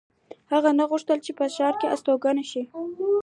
هغه نه غوښتل چې په ښار کې استوګن شي